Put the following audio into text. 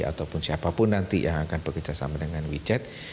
ataupun siapapun nanti yang akan bekerjasama dengan wechat